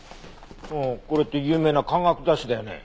ああこれって有名な科学雑誌だよね？